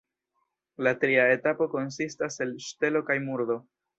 La tria etapo konsistas el ŝtelo kaj murdo.